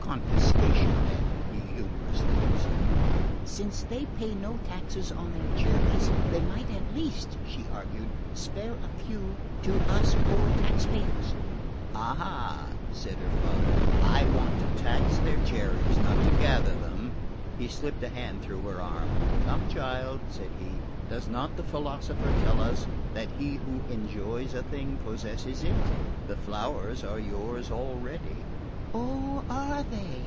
"Confiscation, then," he humorously conceded. "Since they pay no taxes on their cherries they might at least," she argued, "spare a few to us poor taxpayers." "Ah," said her father, "I want to tax their cherries, not to gather them." He slipped a hand through her arm. "Come, child," said he, "does not the philosopher tell us that he who enjoys a thing possesses it? The flowers are yours already!" "Oh, are they?"